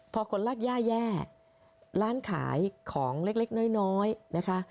พอคนรากย่าแย่ร้านขายของเล็กน้อยนะคะ